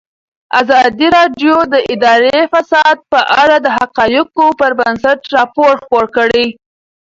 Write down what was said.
ازادي راډیو د اداري فساد په اړه د حقایقو پر بنسټ راپور خپور کړی.